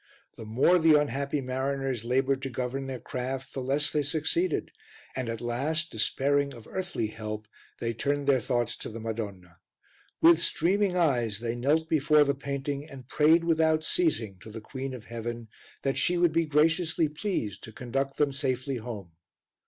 The more the unhappy mariners laboured to govern their craft, the less they succeeded, and at last, despairing of earthly help, they turned their thoughts to the Madonna. With streaming eyes they knelt before the painting and prayed without ceasing to the Queen of Heaven that she would be graciously pleased to conduct them safely home.